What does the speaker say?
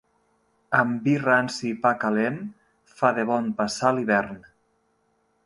Amb vi ranci i pa calent fa de bon passar l'hivern.